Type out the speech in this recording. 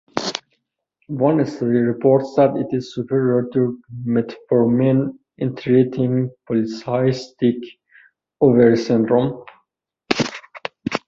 One study reports that it is superior to metformin in treating polycystic ovary syndrome.